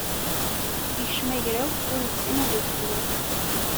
Ikcem agraw, ur issin ad iṣelli.